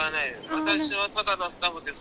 私はただのスタッフです。